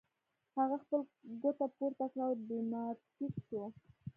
هغه خپله ګوته پورته کړه او ډراماتیک شو